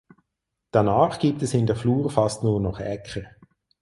Danach gibt es in der Flur fast nur noch Äcker.